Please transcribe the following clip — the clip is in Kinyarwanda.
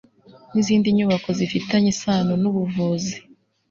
n izindi nyubako zifitanye isano n ubuvuzi